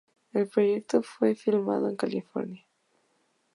El proyecto fue filmado en California.